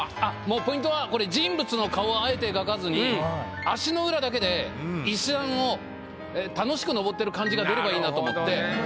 ポイントはこれ人物の顔はあえて描かずに足の裏だけで石段を楽しく上ってる感じが出ればいいなと思って。